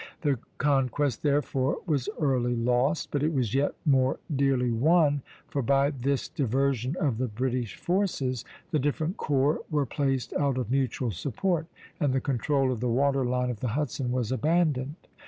The conquest therefore was early lost; but it was yet more dearly won, for by this diversion of the British forces the different corps were placed out of mutual support, and the control of the water line of the Hudson was abandoned.